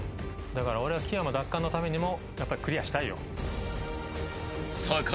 だから俺は木山奪還のためにもクリアしたいよ。